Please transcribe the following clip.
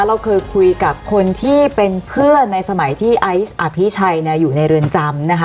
เราเคยคุยกับคนที่เป็นเพื่อนในสมัยที่ไอซ์อภิชัยอยู่ในเรือนจำนะคะ